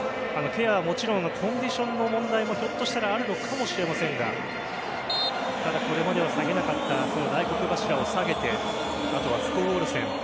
ケアはもちろんコンディションの問題もひょっとしたらあるのかもしれませんがただ、これまでは下げなかった大黒柱を下げて後は、スコウオルセン。